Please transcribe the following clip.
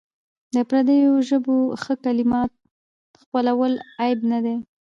د پردیو ژبو ښه کلمات خپلول عیب نه دی.